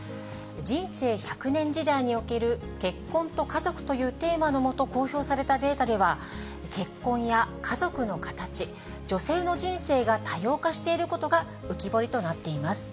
人生１００年時代における結婚と家族というテーマの下、公表されたデータでは、結婚や家族の形、女性の人生が多様化していることが浮き彫りとなっています。